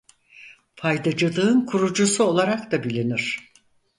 Faydacılığın kurucusu olarak da bilinir.